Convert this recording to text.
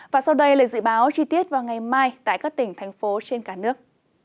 và sau đây là dự báo chi tiết vào ngày mai tại các tỉnh thành phố trên cả nước